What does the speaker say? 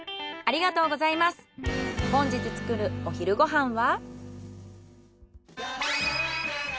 本日作るお昼ご飯は？